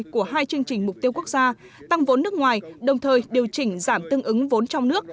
của hai chương trình mục tiêu quốc gia tăng vốn nước ngoài đồng thời điều chỉnh giảm tương ứng vốn trong nước